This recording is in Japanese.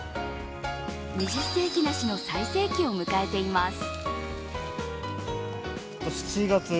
二十世紀梨の最盛期を迎えています。